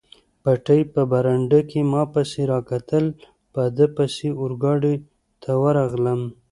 پېټی په برنډه کې ما پسې را کتل، په ده پسې اورګاډي ته ورغلم.